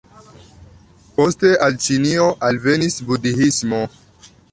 Poste al Ĉinio alvenis budhismo.